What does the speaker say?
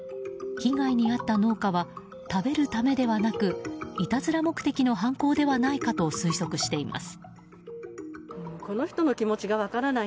被害に遭った農家は食べるためではなくいたずら目的の犯行ではないかと推測しています。